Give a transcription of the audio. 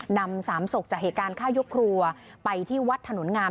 นำสามศพจากเหตุการณ์ฆ่ายกครัวไปที่วัดถนนงาม